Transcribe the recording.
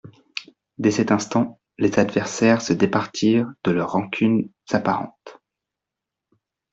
Dès cet instant, les adversaires se départirent de leurs rancunes apparentes.